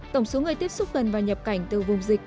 tổng số người tiếp xúc gần và nhập cảnh từ vùng dịch